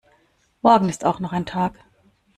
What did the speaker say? Morgen ist auch noch ein Tag.